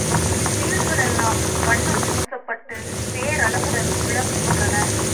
இவ் வீடுகளெல்லாம் வண்ணம் பூசப்பட்டுப் பேரழகுடன் விளங்குகின்றன.